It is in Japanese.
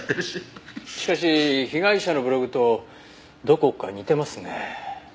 しかし被害者のブログとどこか似てますね。